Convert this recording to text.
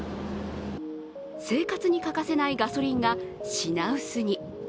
生活に欠かせないガソリンが品薄に。